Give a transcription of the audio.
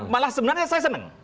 malah sebenarnya saya senang